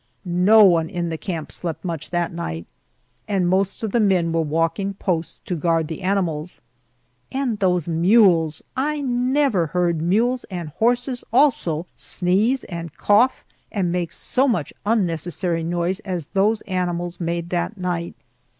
No one in the camp slept much that night, and most of the men were walking post to guard the animals. And those mules! I never heard mules, and horses also, sneeze and cough and make so much unnecessary noise as those animals made that night.